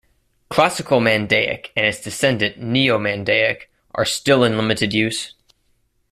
Classical Mandaic and its descendant Neo-Mandaic are still in limited use.